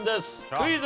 クイズ。